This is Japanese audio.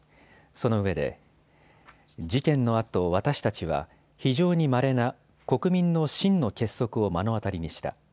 そのうえで事件のあと、私たちは非常にまれな国民の真の結束を目の当たりにした。